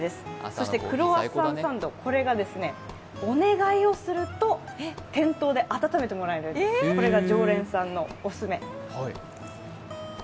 そしてクロワッサンサンド、これがお願いをすると店頭で温めてもらえる、これが常連さんのお勧め。